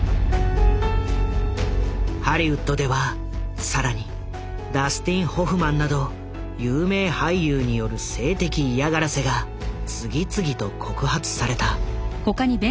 ハリウッドでは更にダスティン・ホフマンなど有名俳優による性的嫌がらせが次々と告発された。